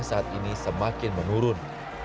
saat ini semakin menurun